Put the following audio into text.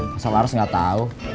masa laras gak tau